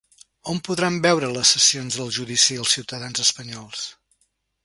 On podran veure les sessions del judici els ciutadans espanyols?